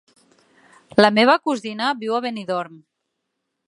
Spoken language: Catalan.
La meva cosina viu a Benidorm.